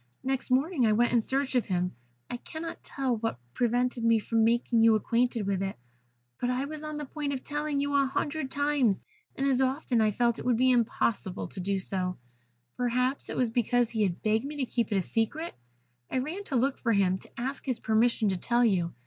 Next morning I went in search of him. I cannot tell what prevented me from making you acquainted with it, but I was on the point of telling you a hundred times, and as often I felt it would be impossible to do so perhaps it was because he had begged me to keep it a secret. I ran to look for him, to ask his permission to tell you.